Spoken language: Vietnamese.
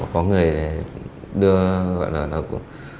có người để đưa